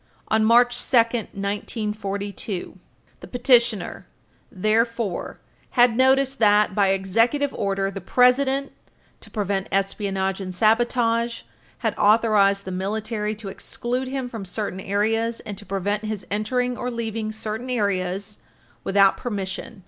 1. Page 323 U. S. 228 On March 2, 1942, the petitioner, therefore, had notice that, by Executive Order, the President, to prevent espionage and sabotage, had authorized the Military to exclude him from certain areas and to prevent his entering or leaving certain areas without permission.